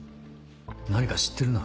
何か知ってるな。